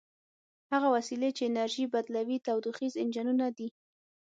هغه وسیلې چې انرژي بدلوي تودوخیز انجنونه دي.